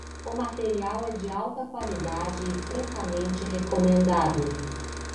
O material é de alta qualidade e francamente recomendado.